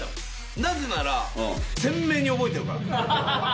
なぜなら、鮮明に覚えてるから。